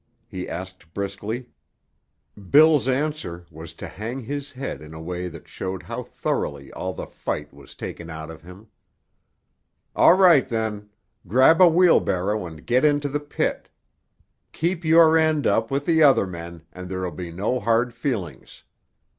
he asked briskly. Bill's answer was to hang his head in a way that showed how thoroughly all the fight was taken out of him. "All right, then; grab a wheelbarrow and get into the pit. Keep your end up with the other men and there'll be no hard feelings.